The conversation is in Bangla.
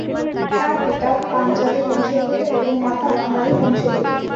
তার পিতা পাঞ্জাবি বংশোদ্ভূত এবং মাতা বাঙালি বংশোদ্ভূত।